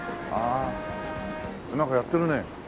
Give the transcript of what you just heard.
なんかやってるね。